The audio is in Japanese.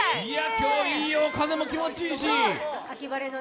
今日、いいよ、風も気持ちいいし。